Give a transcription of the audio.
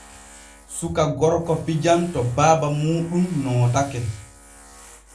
Suka gorko fijan to baaba muuɗum nootake.